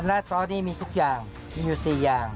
ซอสนี่มีทุกอย่างมีอยู่๔อย่าง